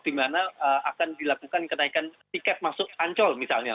dimana akan dilakukan kenaikan tiket masuk ancol misalnya